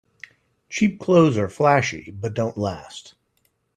Cheap clothes are flashy but don't last.